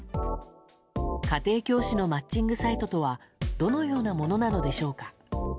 家庭教師のマッチングサイトとはどのようなものなのでしょうか。